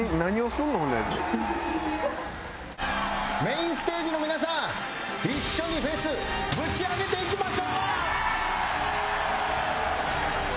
「メインステージの皆さん一緒にフェスぶち上げていきましょう！」